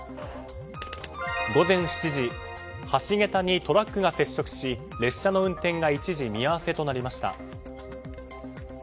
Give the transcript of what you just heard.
午前７時橋げたにトラックが接触し列車の運転が一時見合わせとなりました。